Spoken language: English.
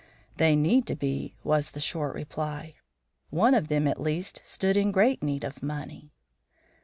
"They need to be," was the short reply. "One of them at least stood in great need of money."